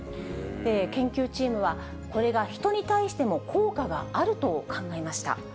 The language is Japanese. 研究チームは、これが人に対しても効果があると考えました。